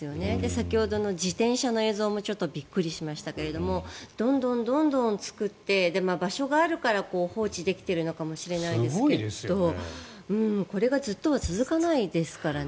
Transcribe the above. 先ほどの自転車の映像もびっくりしましたけどどんどん作って場所があるから放置できているのかもしれないけどこれがずっとは続かないですからね。